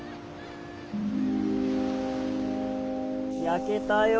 焼けたよ。